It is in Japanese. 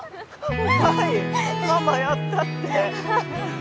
海ママやったって！